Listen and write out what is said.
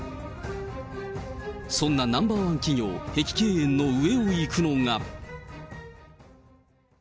そんなナンバー１企業、碧桂園の上をいくのが。